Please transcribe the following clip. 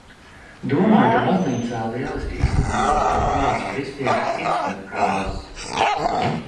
Domāju, ka baznīcā lieliski izskatītos kaut kādas kristiešu hipsteru kāzas.